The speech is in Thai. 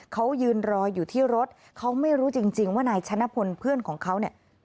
เขายืนรออยู่ที่รถเขาไม่รู้จริงว่านายชนะพลเพื่อนของเขาเนี่ย